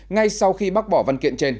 ngay sau khi bác bỏ văn kiện trên